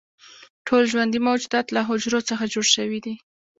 ټول ژوندي موجودات له حجرو څخه جوړ شوي دي